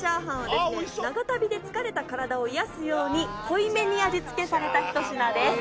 長旅で疲れた体を癒やすように濃いめに味付けされたひと品です。